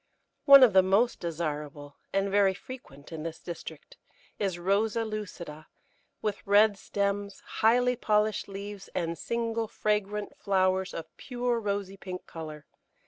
One of the most desirable, and very frequent in this district, is Rosa lucida, with red stems, highly polished leaves, and single, fragrant flowers of pure rosy pink colour.